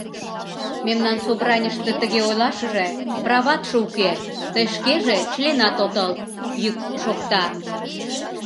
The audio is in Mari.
— Мемнан собранийыште тыге ойлашыже праватше уке, тый шкеже членат отыл, — йӱк шокта.